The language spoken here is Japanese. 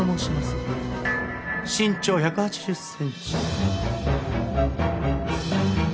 身長１８１センチ。